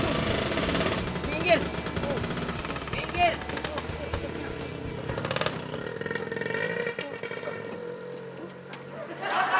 oke ya pengen mau ada di